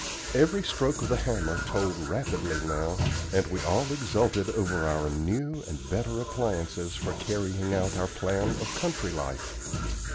Every stroke of the hammer told rapidly now, and we all exulted over our new and better appliances for carrying out our plan of country life.